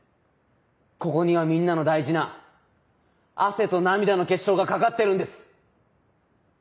ここにはみんなの大事な汗と涙の結晶が懸かってるんです！